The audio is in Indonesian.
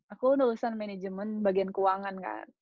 aku lulusan manajemen bagian keuangan kan